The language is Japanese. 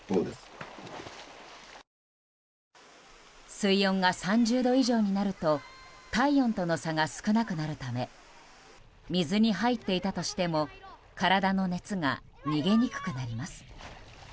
水温が３０度以上になると体温との差が少なくなるため水に入っていたとしても体の熱が逃げにくくなります。